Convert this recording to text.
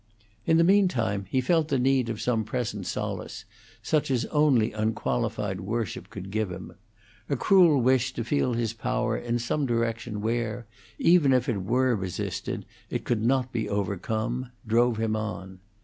In the mean time he felt the need of some present solace, such as only unqualified worship could give him; a cruel wish to feel his power in some direction where, even if it were resisted, it could not be overcome, drove him on.